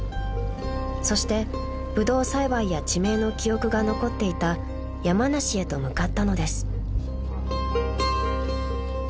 ［そしてブドウ栽培や地名の記憶が残っていた山梨へと向かったのです］